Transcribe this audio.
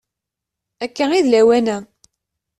Akka i d lawan-a.